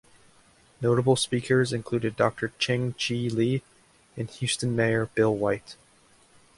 Notable speakers included Doctor Cheng Chi Lee and Houston Mayor Bill White.